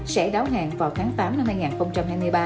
sẽ đáo hàng vào tháng tám năm hai nghìn hai mươi ba